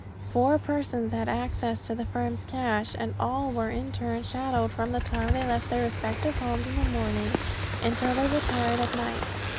Four persons had access to the firm's cash, and all were in turn shadowed from the time they left their respective homes in the morning until they retired at night.